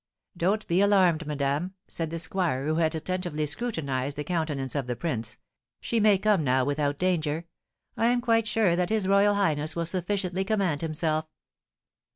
"Don't be alarmed, madame," said the squire, who had attentively scrutinised the countenance of the prince; "she may come now without danger. I am quite sure that his royal highness will sufficiently command himself."